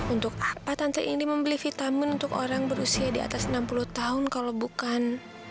untuk apa tante ini membeli vitamin untuk orang berusia di atas enam puluh tahun kalau bukan